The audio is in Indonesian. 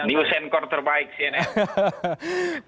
new senkor terbaik cnm